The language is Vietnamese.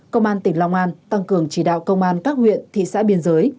công an tỉnh long an tăng cường chỉ đạo công an các huyện thị xã biên giới